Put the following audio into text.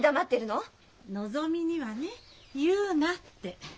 のぞみにはね言うなって。